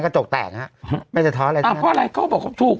ก็จกแต่งฮะไม่จะท้ออะไรอ่ะเพราะอะไรก็บอกถูก